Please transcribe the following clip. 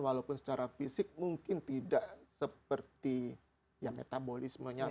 walaupun secara fisik mungkin tidak seperti yang metabolismenya